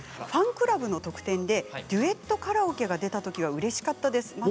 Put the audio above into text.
ファンクラブの特典でデュエットカラオケが出たときはうれしかったです。